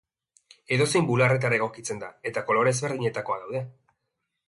Edozein bularretara egokitzen da eta kolore ezberdinetakoak daude.